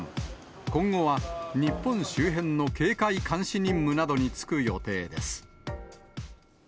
今後は日本周辺の警戒監視任務などに就く予定です。